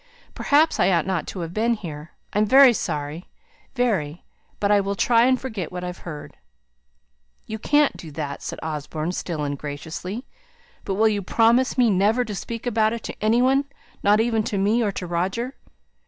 Perhaps I ought not to have been here. I'm very sorry very. But I'll try and forget what I've heard." "You can't do that," said Osborne, still ungraciously. "But will you promise me never to speak about it to any one not even to me, or to Roger?